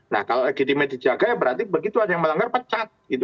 nah kalau legitimate dijaga ya berarti begitu ada yang melanggar pecat